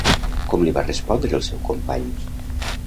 Com li va respondre el seu company?